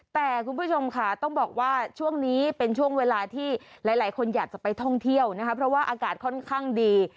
แต่คุณผู้ชมค่ะต้องบอกว่าช่วงนี้เป็นช่วงเวลาที่หลายคนอยากจะไปท่องเที่ยวนะคะเพราะว่าอากาศค่อนข้างดี